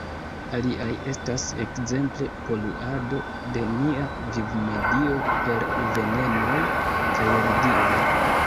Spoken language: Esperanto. Aliaj estas ekzemple poluado de nia vivmedio per venenoj kaj radioj.